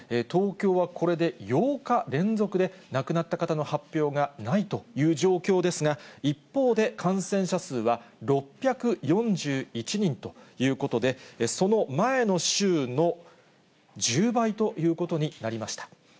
東京はこれで８日連続で、亡くなった方の発表がないという状況ですが、一方で、感染者数は６４１人ということで、その前の週の１０倍ということになりました。